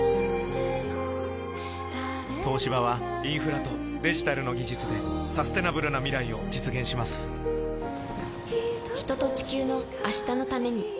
東芝はインフラとデジタルの技術でサステナブルな未来を実現します人と、地球の、明日のために。